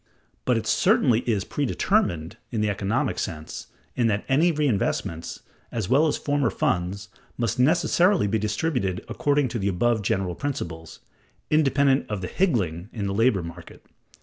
But it certainly is "predetermined" in the economic sense, in that any reinvestments, as well as former funds, must necessarily be distributed according to the above general principles, independent of the "higgling" in the labor market.